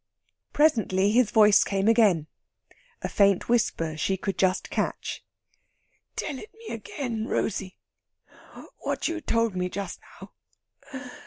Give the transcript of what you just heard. Presently his voice came again a faint whisper she could just catch: "Tell it me again, Rosey ... what you told me just now